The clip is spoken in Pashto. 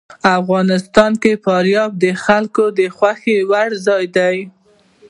افغانستان کې فاریاب د خلکو د خوښې وړ ځای دی.